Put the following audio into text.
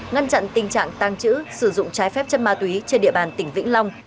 ngăn chặn tình trạng tăng trữ sử dụng trái phép chân ma túy trên địa bàn tỉnh vĩnh long